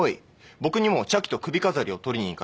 僕にも茶器と首飾りを取りに行かせた。